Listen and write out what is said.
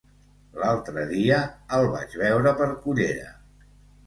L'altre dia el vaig veure per Cullera.